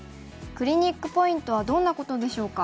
クリニックポイントはどんなことでしょうか？